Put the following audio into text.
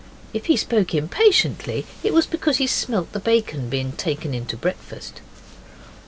If he spoke impatiently it was because he smelt the bacon being taken in to breakfast.